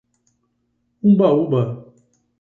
Umbaúba